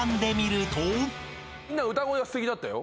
みんな歌声はすてきだったよ。